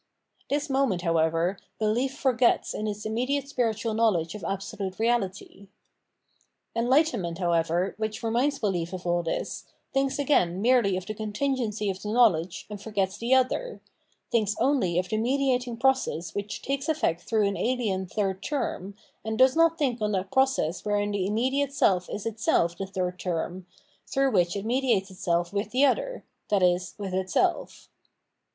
This moment, however, belief forgets in its immediate spiritual knowledge of absolute Reality. Enlightenment, however, which reminds belief of aU this, thinks again merely of the contingency of the knowledge and forgets the other — thinks only The Struggle of Enlightenment with Superstition 577 of the mediating process which takes efiect through an alien third term, and does not think on that pro cess wherein the immediate is itself the third term, through which it mediates itself with the other, viz. with itself.